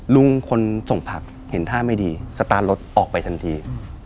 ลุงคนส่งผักเห็นท่าไม่ดีสตาร์ทรถออกไปทันที